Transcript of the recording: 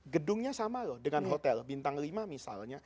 gedungnya sama loh dengan hotel bintang lima misalnya